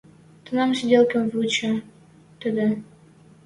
Тӹнӓм сиделкым выча тӹдӹ.